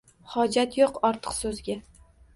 Hojat yo’q ortiq so’zga